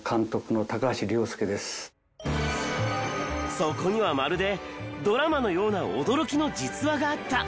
そこにはまるでドラマのような驚きの実話があった！